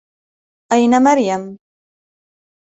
أين مريم ؟